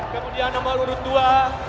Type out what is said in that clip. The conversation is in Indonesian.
kemudian nomor urut dua